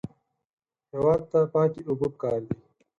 هېواد ته پاکې اوبه پکار دي